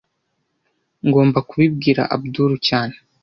Ngomba kubibwira Abdul cyane